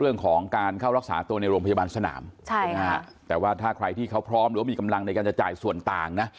เรื่องของการเข้ารักษาตัวในโรงพยาบาลสนามแต่ว่าถ้าใครที่เขาพร้อมหรือว่ามีกำลังในการจะจ่ายส่วนต่างนะ